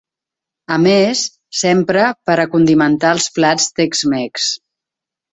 A més, s'empra per a condimentar els plats tex-mex.